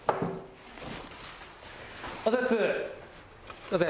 すみません。